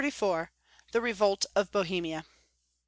THE REVOLT OF BOHEMIA.